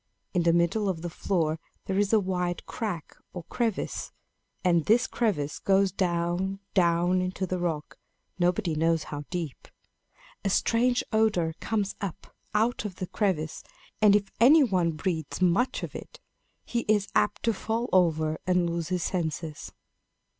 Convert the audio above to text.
In the middle of the floor there is a wide crack, or crevice; and this crevice goes down, down into the rock, nobody knows how deep. A strange odor comes up out of the crevice; and if any one breathes much of it, he is apt to fall over and lose his senses."